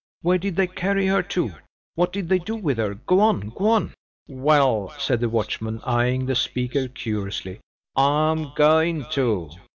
Where did they carry her to? What did they do with her? Go on! go on!" "Well," said the watchman, eyeing the speaker curiously, "I'm going to.